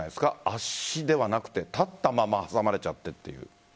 圧死ではなくて立ったまま挟まれちゃってという。